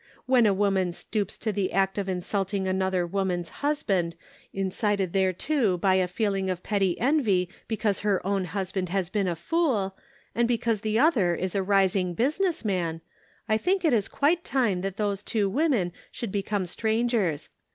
When a woman stoops to the act of insulting another woman's husband, incited thereto by a feeling of petty envy because her own husband has been a fool, and because the other is a rising business man, I think it is quite time that those two women should become 444 The Pocket Measure. strangers.